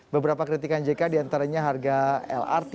beberapa kritikan jk diantaranya harga lrt